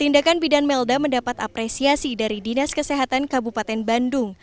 tindakan bidan melda mendapat apresiasi dari dinas kesehatan kabupaten bandung